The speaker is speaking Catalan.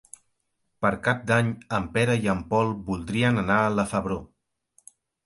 Per Cap d'Any en Pere i en Pol voldrien anar a la Febró.